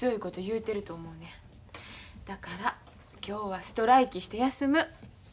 だから今日はストライキして休む。